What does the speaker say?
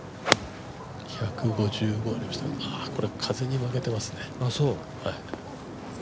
風に負けてますね。